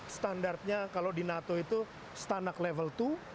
standarnya kalau di nato itu stanak level dua